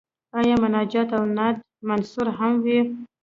آیا مناجات او نعت منثور هم وي؟